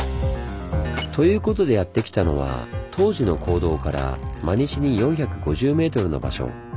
ということでやって来たのは東寺の講堂から真西に４５０ｍの場所。